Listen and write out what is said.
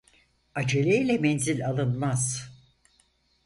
Acele ile menzil alınmaz.